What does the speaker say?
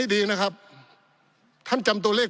ปี๑เกณฑ์ทหารแสน๒